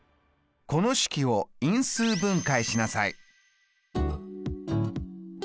この式を因数分解しなさい。